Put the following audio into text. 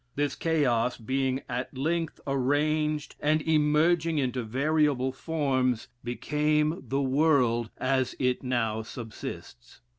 This chaos being at length arranged, and emerging into variable forms, became the world, as it now subsists.